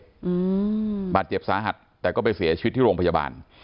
อืมบาดเจ็บสาหัสแต่ก็ไปเสียชีวิตที่โรงพยาบาล